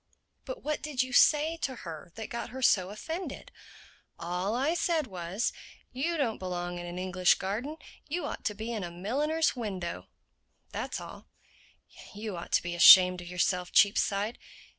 "But what did you say to her that got her so offended?" "All I said was, 'You don't belong in an English garden; you ought to be in a milliner's window.' That's all." "You ought to be ashamed of yourself, Cheapside.